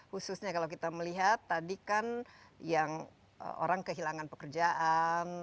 khususnya kalau kita melihat tadi kan yang orang kehilangan pekerjaan